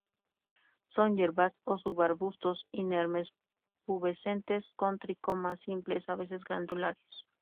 Son hierbas o subarbustos, inermes, pubescentes con tricomas simples, a veces glandulares.